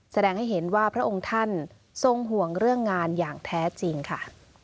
แสดงให้เห็นว่าพระองค์ท่านทรงห่วงเรื่องงานอย่างแท้จริงค่ะ